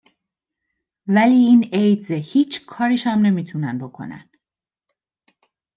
ولی این ایدزه، هیچ کاریش نمی تونن بکنن